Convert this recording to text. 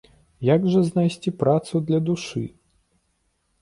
Як жа знайсці працу для душы?